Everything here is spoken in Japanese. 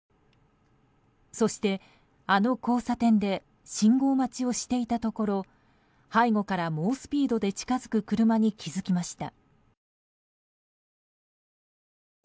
そして、あの交差点で信号待ちをしていたところ背後から猛スピードで近づく車に気づきました。